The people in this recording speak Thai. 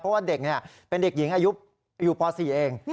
เพราะว่าเด็กเนี่ยเป็นเด็กหญิงอายุป๔เอง